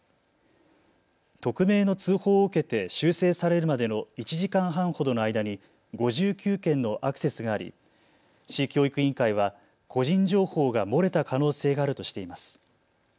匿名の通報を受けて修正されるまでの１時間半ほどの間に５９件のアクセスがあり市教育委員会は個人情報が漏れた可能性があるとしています。